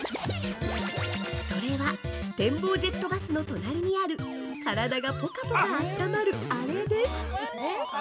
それは、展望ジェットバスの隣にある体がポカポカあったまるアレです。